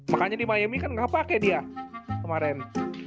makanya di miami kan gak pake dia kemaren